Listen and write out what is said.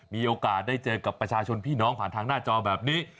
มีโอกาสได้เจอกับประชาชนพี่น้องผ่านทางหน้าจอแบบนี้